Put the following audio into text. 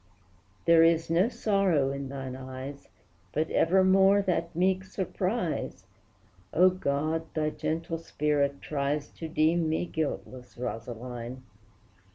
There is no sorrow in thine eyes, But evermore that meek surprise, O, God! thy gentle spirit tries To deem me guiltless, Rosaline!